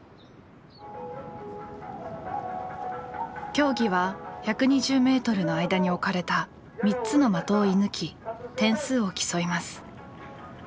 競技は１２０ｍの間に置かれた３つの的を射ぬき点数を競います。